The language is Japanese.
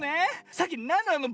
さっきなんなの？